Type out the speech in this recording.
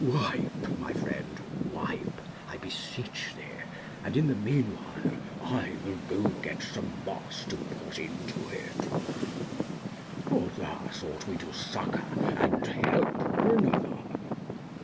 Wipe, my friend, wipe, I beseech thee, and in the meanwhile I will go get some moss to put into it; for thus ought we to succour and help one another.